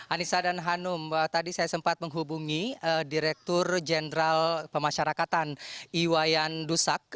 anissa dan hanum tadi saya sempat menghubungi direktur jenderal pemasyarakatan iwayan dusak